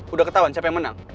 udah ketahuan siapa yang menang